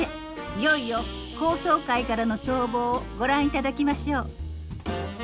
いよいよ高層階からの眺望をご覧頂きましょう。